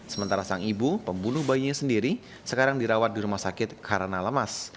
sementara sang ibu pembunuh bayinya sendiri sekarang dirawat di rumah sakit karena lemas